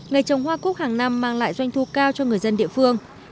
ngày trồng hoa cúc hàng năm mang lại doanh thu cao cho người dân địa phương